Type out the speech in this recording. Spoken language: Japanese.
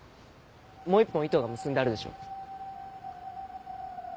もう１本糸が結んであるでしょ。